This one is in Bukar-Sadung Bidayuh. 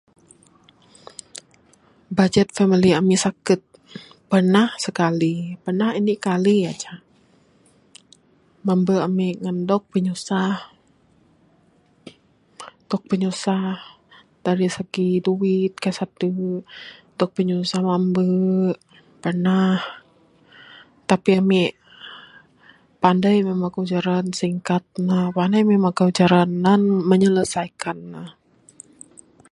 Bajet famili amik sakut. Pernah sekali, pernah indik kali ajak mambe amik ngan dog pinyusah. Dog pinyusah dari segi duit, kaik sadu'. Dog pinyusah mambe. Pernah. Tapi amik, pandai mik magau jaran singkat ne. Pandai mik magau jaran nan menyelesaikan ne.